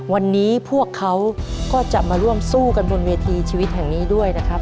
วันนี้พวกเขาก็จะมาร่วมสู้กันบนเวทีชีวิตแห่งนี้ด้วยนะครับ